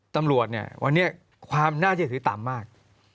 ตำรวจเนี่ยวันนี้ความน่าเชื่อถือต่ำมาก